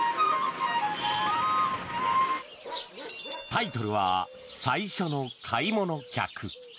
タイトルは「最初の買い物客」。